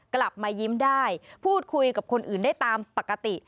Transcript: กลับมายิ้มได้พูดคุยกับคนอื่นได้ตามปกติ